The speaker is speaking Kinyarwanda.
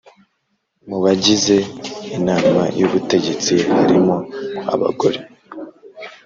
mu bagize Inama y ubutegetsi harimo abagore